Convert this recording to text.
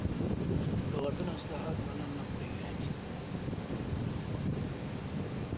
لغتونه او اصطلاحات ځوانان نه پوهېږي.